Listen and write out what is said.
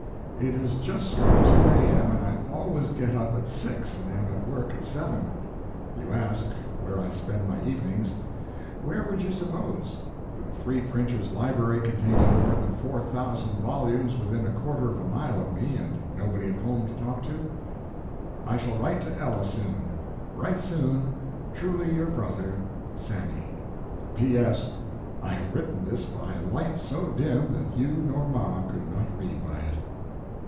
"(It has just struck 2 A.M., and I always get up at six and am at work at 7.) You ask where I spend my evenings. Where would you suppose, with a free printers' library containing more than 4,000 volumes within a quarter of a mile of me, and nobody at home to talk to?" "I shall write to Ella soon. Write soon. "Truly your Brother, "SAMY. "P.S. I have written this by a light so dim that you nor Ma could not read by it."